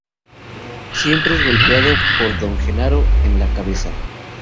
Siempre es golpeado por Don Genaro en la cabeza.